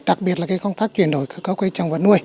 đặc biệt là công tác chuyển đổi các cây trồng vật nuôi